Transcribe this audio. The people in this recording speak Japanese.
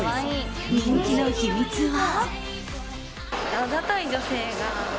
人気の秘密は。